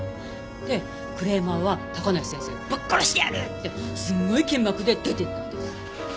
でクレーマーは高梨先生に「ぶっ殺してやる！」ってすごい剣幕で出ていったんです。